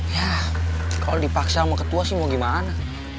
yah kalo dipaksa sama ketua sih mau gimana